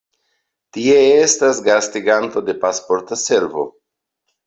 Tie estas gastiganto de Pasporta Servo.